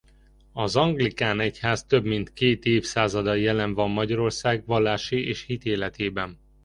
Az anglikán egyház több mint két évszázada jelen van Magyarország vallási és hitéletében.